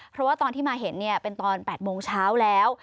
เพราะว่าตอนที่มาเห็นเป็นตอน๘โมงเช้าแล้ว